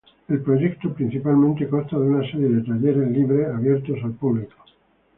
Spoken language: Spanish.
El proyecto principalmente consta de una serie de talleres libres abiertos al público.